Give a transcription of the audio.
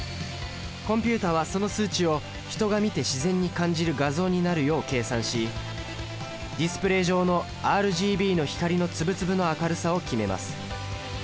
コンピュータはその数値を人が見て自然に感じる画像になるよう計算しディスプレイ上のＲＧＢの光の粒々の明るさを決めます。